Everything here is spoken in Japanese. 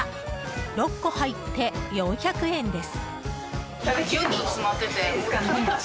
６個入って、４００円です。